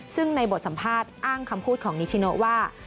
ซึ่งในบทสัมภาษณ์อ้างคำพูดของนิชิโนว่า